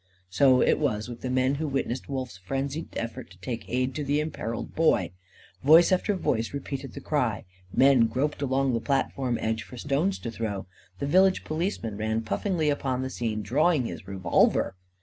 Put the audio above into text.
So it was with the men who witnessed Wolf's frenzied effort to take aid to the imperilled Boy. Voice after voice repeated the cry. Men groped along the platform edge for stones to throw. The village policeman ran puffingly upon the scene, drawing his revolver.